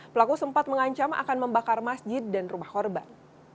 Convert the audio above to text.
pelaku sempat mengancam akan membakar masjid dan rumah korban